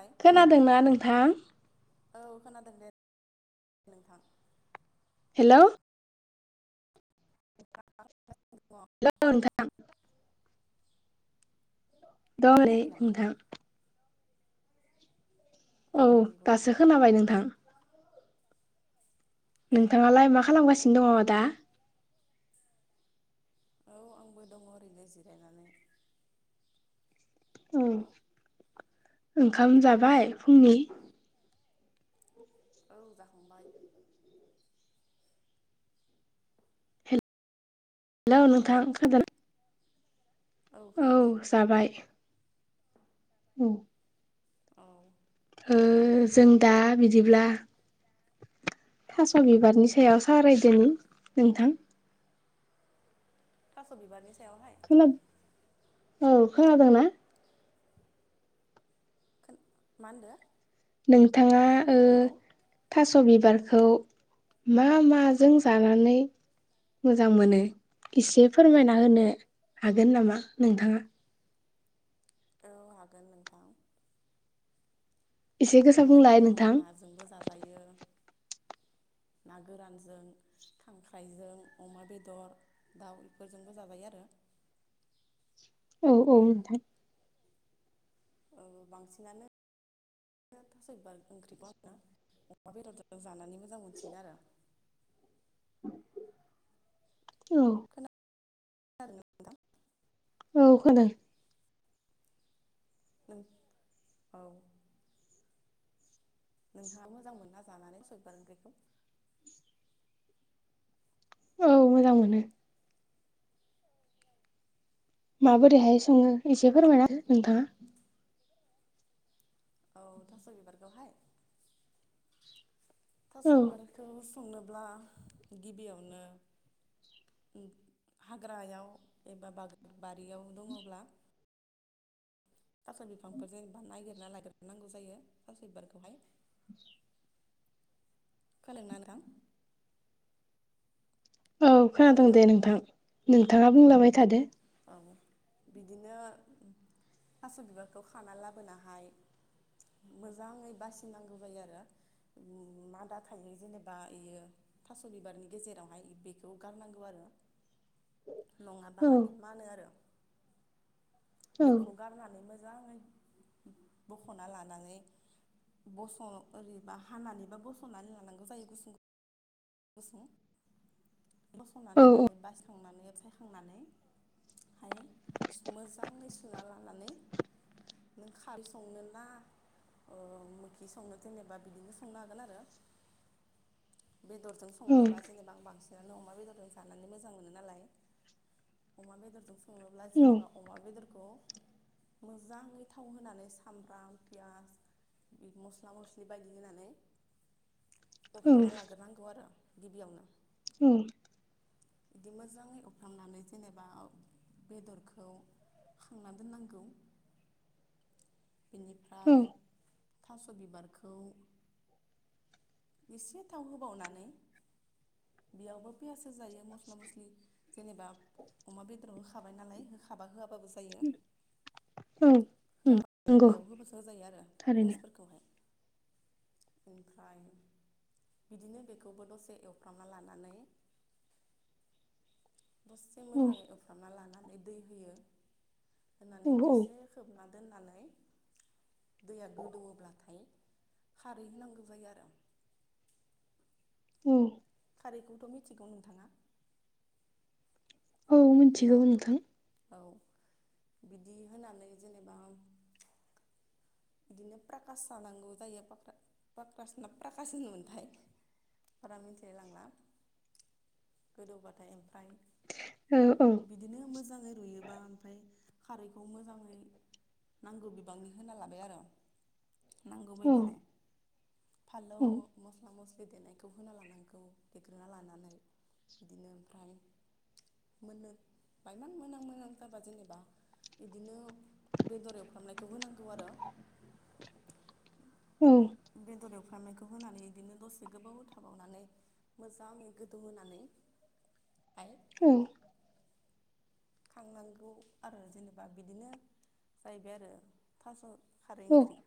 औ खोनादोंना नोंथां? औ खोनादों दे नोंथां हेल' हेलौ नोंथां [unintelligible] दै ओरैनो नामा? नोंथां [unintelligible] औ नंगौ नामा दासो खोनाबाय नोंथां औ नोंथाङालाय मा खालामगासिनो दङ दा? औ आंबो दङ ओरैनो जिरायनानै औ ओंखाम जाबाय फुंनि? औ जाखांबाय हेल' नोंथां नोंलाय खोनाद औ जाबाय औ औ ओ जों दा बिदिब्ला थास' बिबारनि सायाव सावरायदोनि नोंथां। थास' बिबारनि सायावहाय? [unintelligible] औ खोनादोंना? खोन मा होनदो? नोंथाङा ओ हेल' थास' बिबारखौ मा माजों जानानै मोजां मोनो एसे फोरमायना होनो हागोन नामा नोंथाङा? औ हागोन नोंथां। एसे थास' गोसा बुंलाय बिबारखौ नोंथां नाजोंबो जाजायो ना गोरानजों खांख्रायजों अमा बेदर दाउ इफोरजोंबो जाजायो आरो। औ औ नोंथां। औ बांसिनानो ओ थास' बिबार ओंख्रिखो आंना अमा बेदरदों जानानै मोजां मोनसिनो आरो। औ खोना आदों नोंथां। औ खोनादों। नों औ नोंथाङा मोजां मोनना जानानै थास' बिबार ओंख्रिखौ? औ मोजां मोनो। माबोरैहाय सङो एसे फोरमायना हो नोंथाङा। औ थास' बिबारखौहाय थास' औ बिबारखौ संनोब्ला गिबियावनो उम हाग्रायाव एबा बाग बारियाव दङोब्ला सास' बिफांफोर जेनेबा नागिरना लागोर नांगौ जायो थास' बिबारखौहाय। खोदों ना नोंथां? औ हेल' खोनादोंं औ दे नोंथां नोंथाङा बुंलाबाय थादो। औ बिदिनो उम थास' बिबारखौ खाना लाबो नाहाय मोजाङै बासिनांगौ जायो आरो। उम मादा थायो जेनेबा इयो थास' बिबारनि गेजेरावहाय बेख गौ गारनांगौ आरो नङाब्ला औ माने मानो आरो। औ बेखौ गारनानै मोजाङै बख'ना लानानै बस' ओरैबा हानानै बा बस'नानै लानांगौ जायो गुसुं गु गुसुं औ बस'नानै लानोबा सावनानै सायखा खांनानै हाय मोजाङै सुना लानानै नों खाल संनो ना अ' मोखि संनो देनेबा बिदिनो संनो हागोन आरो। बेदरजों औ संनोबा जेनेबा बांस बिरादनो अमा बेदरजों जानानै मोजां मोनो नालाय अमा बेदरजों सङोब्ला औ जेनेबा अमा बेदरखौ मोजाङै थाव होनानै सामब्राम पियास मिद मस्ला मस्लि बायदि होनानै [inaudible] एवफ्रामना लागोर नांगौ आरो गिबियावनो। उम। बिदि मोजाङै एवफ्रामनानै जेनेबा बेदरखौ खांना दोननांगौ। औ बिनिफ्राय थास' बिबारखौ एसे थाव होबावनानै बेयावबो पियास होजायो मस्ला मस्लि जेनेबा अमा बेदराव होखाबाय नालाय होखाबा होआबाबो जा जायो। औ उम होआबा नंगौ बेयाव होबासो होजायो आरो थारैनो पियासफोरखौहाय। ओमफ्राय बिदिनो बेखौबो दसे एवफ्रामना लानानै दसे औ मोजाङै एवफ्रामना लानानै दै होयो होनानै औ औ दसे खोबना दोननानै दैया गोदौवोब्लाथाय खारै होनांगौ जायो आरो। उम खारैखौथ' मिथिगौ नोंथाङा औ मिथिगौ हेलौ नोंथां औ बिदि होनानै जेनेबा बिदिनो प्राकास सानांगौ जायो पाक्रा पाक्रास ना प्राकास होनोमोनथाय बारा मिथिलाय लांला गोदौबाथाय ओमफ्राय ओ औ दिनो मोजाङै रुयोबा ओमफाय खारैखौ मोजाङै नांगौ बिबांनि होना लाबाय आर नांगौ औ बायदिहाय फालौ औ म-मस्ला मस्लि देनायखौ होना लानां गौ देग्रोना लानानै बिदिनो ओमफ्राय मोननो बायमान मोनां मोनां जाबा जेनेबा इदिनो बेदर एवफ्रामनायखौ होनांगौ आरो उम बेदर एवफ्रामनायखौ होनानै इदिनो दसे गोबाव थाबावनानै मोजाङै गोदौहोनानै हाय उम खांनांगौ आरो जेनेबा बिदिनो जाहैबाय आरो। थास' खारै ओंख्रि औ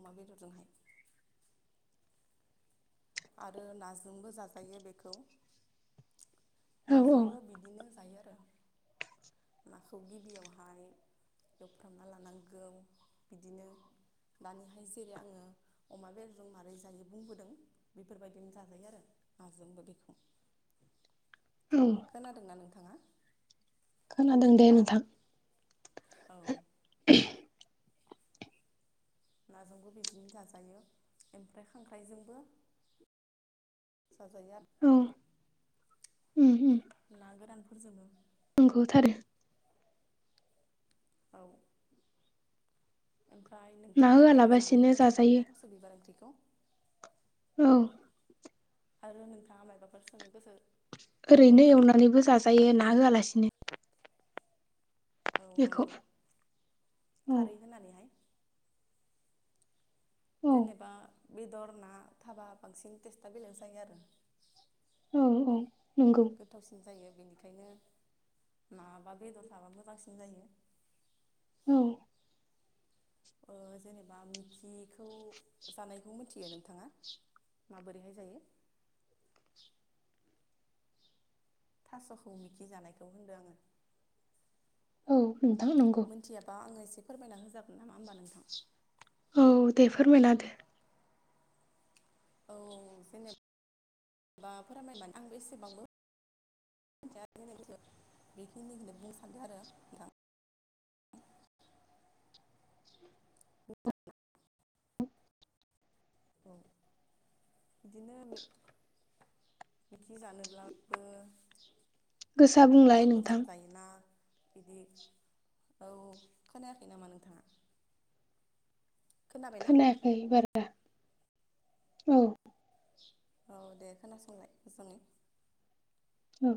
अमा बेदरजोंहाय। आरो नाजोंबो जाजायो बेखौ औ औ नाजोंबो बिदिनो जायो आरो नाखौ गिबियावहाय एवफ्रामना लानांगौ बिदिनो दानिहाय जेरै आङो अमा बेदरजों मारै जायो बुंबोदों बिफोरबायदिनो जाजायो आरो नाजोंबो बिखौ औ खोनादोंना नोंथाङा। खोनादों दे नोंथां। औ [unintelligible] नाजोंबो बिजिनो जाजायो ओमफ्राय खांख्राइजोंबो जाजायो आर औ उम उम ना गोरानफोरजोंबो नोंगौथ' आरो औ ओमफ्राय ना नोंथाङाबो जानानै होआलाबसिनो मोजां जाजायो मोनोना थास बिबार‌ ओंख्रिखौ औ आरो नोंथाङा मायबाफोर सोंनो गोसो दंबावो ओरैनो नामा एवनानैबो जाजायो ना होआलासिनो औ बेखौ। नंगौ औ खारै होनानैहाय औ जेनेबा बेदर ना थाबा बांसिन टेस्टा बेलेग जायो आरो। औ औ नंगौ। गोथावसिन जायो बेनिखायनो ना बा बेदर थाबा मोजांसिन जायो। औ ओ जेनेबा मिखिखौ जानायखौ मिथियो नोंथाङा? माबोरैहाय जायो? थास'खौ मिखि जानायखौ होनदो आङो। औ नोंथां नंगौ। मोनथियाबा आं एसे फोरमायना होजागोन नामा ओमबा नोंथां? औ दे फोरमायना होदो औ जेनेबा फोरमायना आं एसेबांबो [unintelligible] बेखिनिखोनो बुंनो सानदो आरो नोंथां। औ इदिनो मि मिखि जानोब्लाबो गोसा बुंलाय नाफोरजों नोंथां जायो। ना बिदि औ खोनायाखै नामा नोंथाङा? खोनाबायना खोनायाखै बारा औ। औ दे खोनासंलाय मोजाङै। औ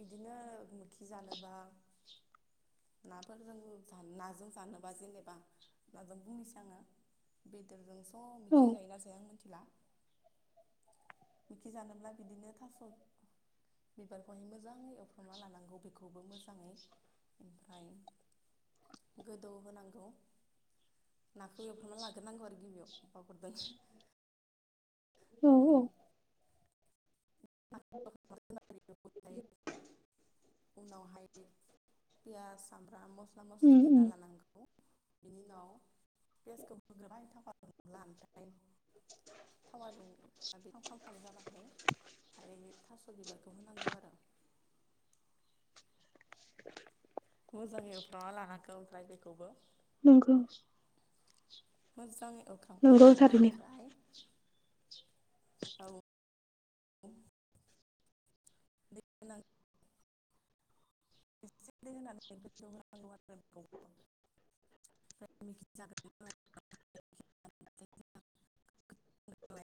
बिदिनो मिखि जानोबा नाफोरजों नाजों जानोबा जेनेबा नाजों बुंनोसै आङो बेदरजोंस' औ मिखि औ। जायोना जाया आं मिथिला। मिखि जानोब्ला बिदिनो थास' बिबारखौहाय मोजाङै एवफ्रामना लानांगौ बेखौबो मोजाङै इमफ्राय गोदौ होनांगौ नाखौ एवफ्रामना लाग्रोनांगौ आरो गिबियाव बावगारदों। ओ औ [unintelligible] ओमफ्राय [inaudible] उनावहाय पियास सामब्राम मस्ला मस्लि उम उम देना लानांगौ। बिनि उनाव पियासखौ होग्रोबाय [unintelligible] दा ओमफ्राय थावा दुं थाव खामफ्राम जाबाथाय ओमफाय थास' बिबारखौ होनांगौ आरो। मोजाङै एवफ्रामना लानांगौ ओमफ्राय बेखौबो नंगौ। मोजाङै एव नंगौ एवखांबा थारैनो ओमफ्राय औ [unintelligible] [unintelligible] [unintelligible] नालाय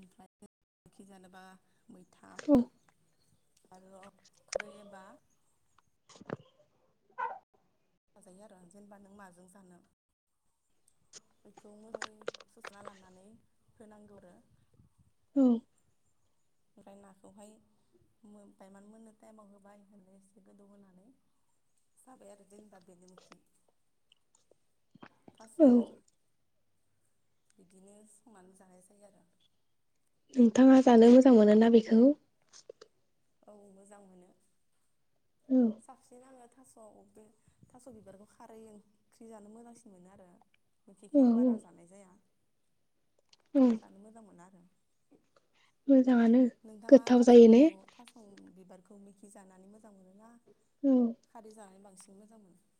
ओमफ्राय मिखि जानोबा मैथा औ आरो खुदै एबा [unintelligible] जाजायो आरो जेनबा नों माजों जानो बेखौ मोजाङै सोसना लानानै होनांगौ आरो ओं ओमफ्राय नाखौहाय बायमान मोननो टाइमाव होबाय एसे गोदौ होनानै जाबाय आरो जेनबा बेनो मोखि [unintelligible] थास' औ। ओंख्रि बिदिनो संनानै जानाय जायो आरो नोंथाङा जानो मोजां मोनो ना बेखौ औ मोजां मोनो औ साबसिन आङो थास' औ बे थास'बिबारखौ खारै ओंख्रि जानो मोजांसिन आरो मिथिखौ औ आं बारा जानाय जाया उम जानो मोजां मोना आरो मोजाङानो नोंथाङा गोथाव जायो ने थासखौ थास बिबारखौ मेखि जानानै मोजां मोनोना ओम खारै जानानै बांसिन मोजां मोनो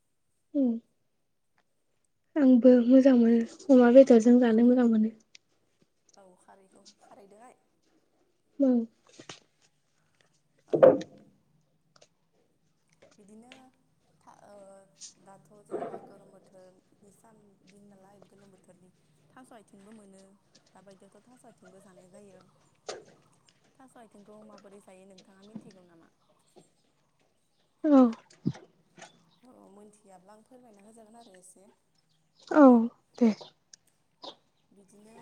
उम आंबो मोजां मोनो अमा बेदरजों जानो मोजां मोनो औ खारैखौ खारैदोंहाय उम औ बिदिनो था दाथ' जेनेबा गरम बोथोर बे सान दिन नालाय गोलोम बोथोरनि थास' आथिंबो मोनो दाबायदियावथ' थास' आथिंबो जानाय जायो। थास' आइथिंखौ माबोरै जायो नोंथाङा मिन्थिगौ नामा? औ औ मोनथियाब्ला आं फोरमायना होजागोन आरो एसे औ दे बिदिनो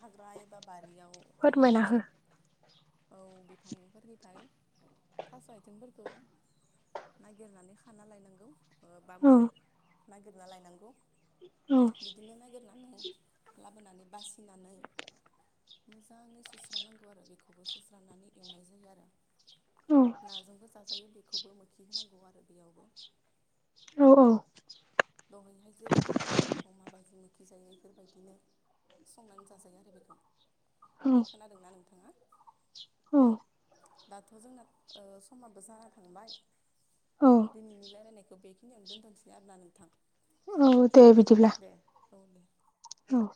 हाग्रा एबा बारियाव थानाय फोरमायना थास' हो औ बिफांफोरनिफ्राय थास' आइथिंफोरखौ नागिरनानै खाना लायनांगौ। ओ बा औ नागिरना लायनांगौ औ बिदिनो नागिरनानै लाबोनानै बासिनानै मोजाङै सुस्रानांगौ आरो बेखौबो सुस्रानानै एवनाय जायो आरो औ नाजोंबो जाजायो बेखौबो मोखि होनांगौ आरो बेयावबो औ औ दहैहाय जेरै थास' बिबारखौ माबायदि मोखि जायो बेफोरबायदिनो संनानै जाजायो आरो बेखौ औ खोनादोंना नोंथाङा? औ दाथ' जोंना ओ समाबो जाना थांबाय औ दिनैनि रायलायनायखौ बेखि बेखिनियाव दोनथसै आरो ना नोंथां औ दे बिदिला दे औ दे औ